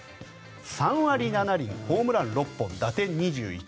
３割７厘、ホームラン６本打点２１。